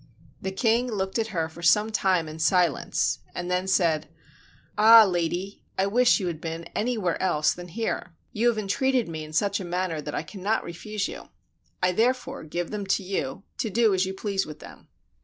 The king looked at her for some time in silence, and then said; "Ah, lady, I wish that you had been anywhere else than here : you have entreated me in such a manner that I cannot refuse you; I therefore give them to you, to do as you please 184 QUEEN PHILIPPA SAVES THE BURGHERS with them."